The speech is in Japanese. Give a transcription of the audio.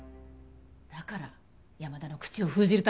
だから山田の口を封じるために。